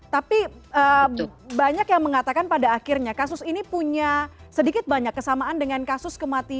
tapi banyak yang mengatakan pada akhirnya kasus ini punya sedikit banyak kesamaan dengan kasus kematian